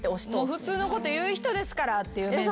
普通のこと言う人ですからっていう。